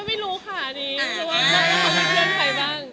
ไม่รู้ค่ะรู้ว่าเป็นเพื่อนใครบ้าง